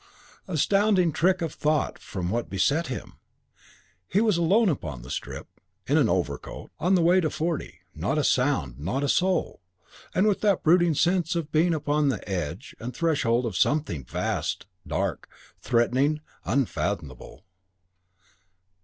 Astounding trick of thought from what beset him! He was alone upon The Strip, in an overcoat, on the way to forty, not a sound, not a soul, and with that brooding sense of being upon the edge and threshold of something vast, dark, threatening, unfathomable.